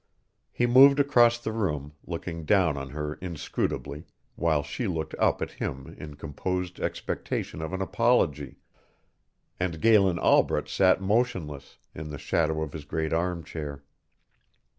He moved across the room, looking down on her inscrutably, while she looked up at him in composed expectation of an apology and Galen Albret sat motionless, in the shadow of his great arm chair.